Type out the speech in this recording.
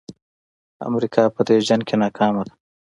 امریکا په دې جنګ کې ناکامه ده.